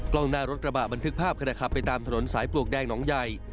กล้องหน้ารถกระบะบันทึกภาพขณะขับไปตามถนนสายปลวกแดงหนองใหญ่